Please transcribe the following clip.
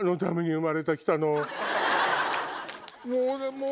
もう。